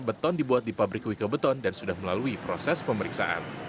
beton dibuat di pabrik wika beton dan sudah melalui proses pemeriksaan